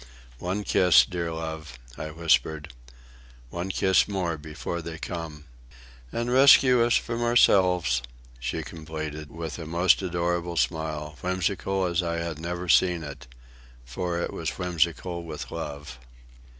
"One kiss, dear love," I whispered. "One kiss more before they come." "And rescue us from ourselves," she completed, with a most adorable smile, whimsical as I had never seen it, for it was whimsical with love.